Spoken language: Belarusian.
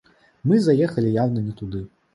Мы заехалі яўна не туды.